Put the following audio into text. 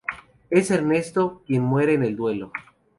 Es Ernesto quien muere en el duelo.